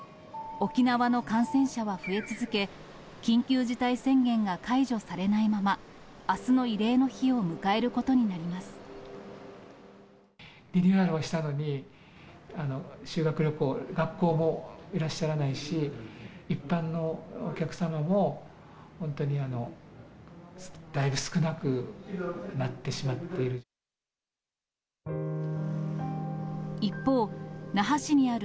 沖縄の感染者は増え続け、緊急事態宣言が解除されないまま、あすの慰霊の日を迎えることになリニューアルをしたのに、修学旅行、学校もいらっしゃらないし、一般のお客様も、本当にだいぶ少なくなってしまっている。